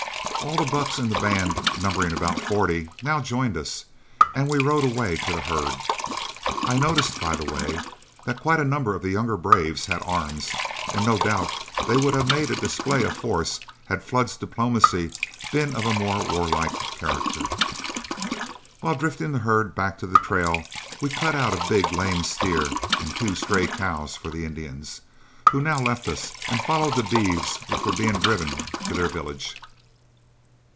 All the bucks in the band, numbering about forty, now joined us, and we rode away to the herd. I noticed, by the way, that quite a number of the younger braves had arms, and no doubt they would have made a display of force had Flood's diplomacy been of a more warlike character. While drifting the herd back to the trail we cut out a big lame steer and two stray cows for the Indians, who now left us and followed the beeves which were being driven to their village.